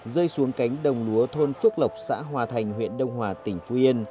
rơi xuống cánh đồng lúa thôn phước lộc xã hòa thành huyện đông hòa tỉnh phú yên